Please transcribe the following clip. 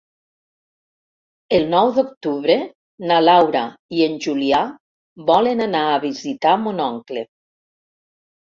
El nou d'octubre na Laura i en Julià volen anar a visitar mon oncle.